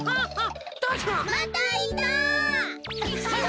またいた！